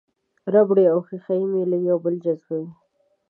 ربړي او ښيښه یي میلې یو بل جذبوي.